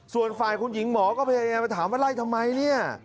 ส่วนฝ่ายคุณหญิงหมอก็พยายามไปถามว่าไล่ทำไมเนี่ย